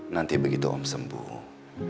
nanti begitu om sembuh